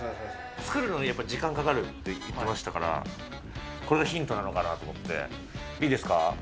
作るのにやっぱり時間かかるって言ってましたから、これがヒントなのかなと思って、いいですか？